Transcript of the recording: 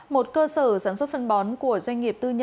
một cơ sở sản xuất phân bón của doanh nghiệp tư nhân